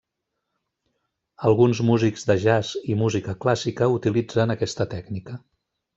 Alguns músics de jazz i música clàssica utilitzen aquesta tècnica.